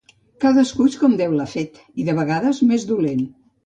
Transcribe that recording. Cadascú és com Déu l'ha fet i, de vegades, més dolent.